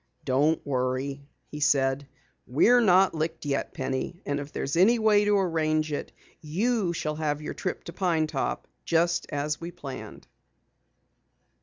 "Don't worry," he said, "we're not licked yet, Penny! And if there's any way to arrange it, you shall have your trip to Pine Top just as we planned."